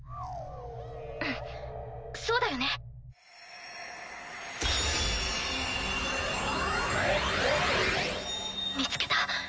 うんそうだよね。見つけた。